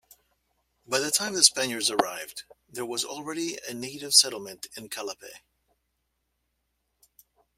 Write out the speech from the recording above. By the time Spaniards arrived, there was already a native settlement in Calape.